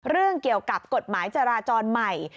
เรื่องเกี่ยวกับกฎหมายจราจรใหม่